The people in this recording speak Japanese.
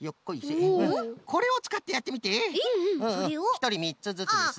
ひとりみっつずつです。